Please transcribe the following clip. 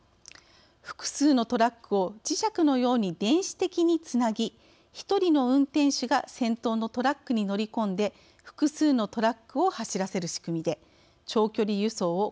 複数のトラックを磁石のように電子的につなぎ１人の運転手が先頭のトラックに乗り込んで複数のトラックを走らせる仕組みで長距離輸送を効率化する試みです。